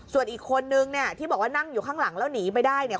ส่วนอีกคนนึงเนี่ยที่บอกว่านั่งอยู่ข้างหลังแล้วหนีไปได้เนี่ย